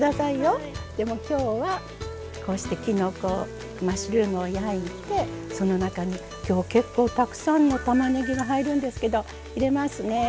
でも今日はこうしてきのこマッシュルームを焼いてその中に今日結構たくさんのたまねぎが入るんですけど入れますね。